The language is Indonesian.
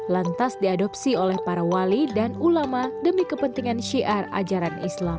lantas diadopsi oleh para wali dan ulama demi kepentingan syiar ajaran islam